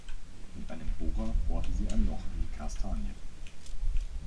Mit einem Bohrer bohrte sie ein Loch in die Kastanie.